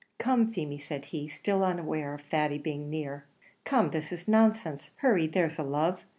"Come, Feemy," said he, still unaware of Thady being near, "come; this is nonsense hurry, there's a love.